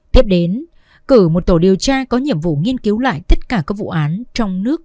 tiếp đến cử một tổ điều tra có nhiệm vụ nghiên cứu lại tất cả các vụ án trong nước